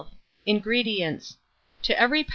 INGREDIENTS. To every lb.